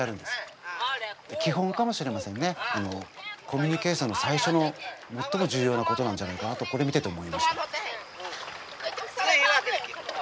コミュニケーションの最初の最も重要なことなんじゃないかなとこれ見てて思いました。